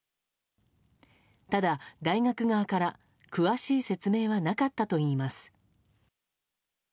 ただ、大学側から詳しい説明はなかったといいます。